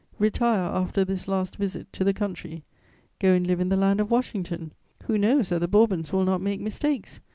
Retire after this last visit to the country; go and live in the land of Washington. Who knows that the Bourbons will not make mistakes?